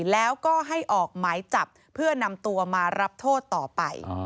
แล้วก็ให้ออกหมายจับเพื่อนำตัวมารับโทษต่อไป